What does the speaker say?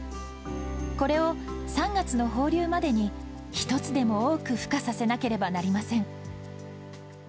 これを３月の放流までに１つでも多くふ化させなければなりません。